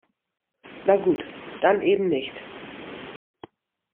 Na gut, dann eben nicht.